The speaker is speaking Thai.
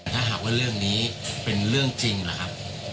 ถ้าหากว่าเรื่องนี้เป็นเรื่องจริงหรือครับ